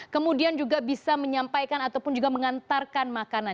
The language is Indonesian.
kemudian juga bisa menyampaikan ataupun juga mengantarkan makanan